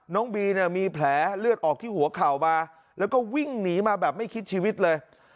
น้องบีเนี่ยมีแผลเลือดออกที่หัวเข่ามาแล้วก็วิ่งหนีมาแบบไม่คิดชีวิตเลย